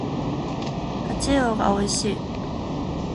秋刀魚が美味しい